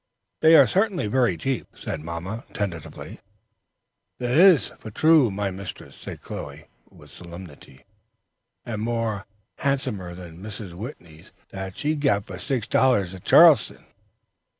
"They are certainly very cheap," said mamma, tentatively. "They is, for true, my mistress," said Chloe, with solemnity, "and more handsomer than Mrs. Whitney's that she gin six dollars for at Charleston."